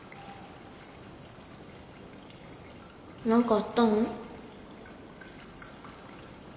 何かあったん？